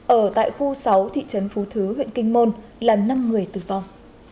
ở tại khu sáu thị trấn phú thứ huyện kinh môn là năm người tử vong